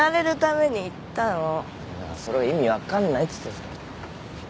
いやだからそれは意味分かんないっつってんでしょ。